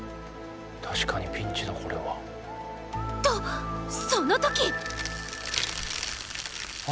確かにピンチだこれは。とそのとき！